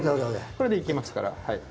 これでいけますから。